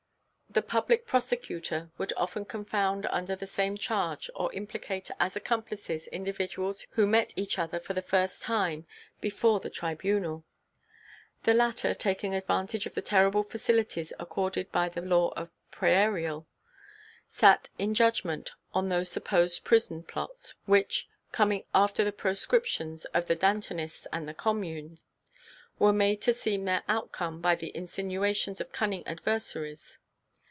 The Public Prosecutor would often confound under the same charge or implicate as accomplices individuals who met each other for the first time before the Tribunal. The latter, taking advantage of the terrible facilities accorded by the law of Prairial, sat in judgment on those supposed prison plots which, coming after the proscriptions of the Dantonists and the Commune, were made to seem their outcome by the insinuations of cunning adversaries.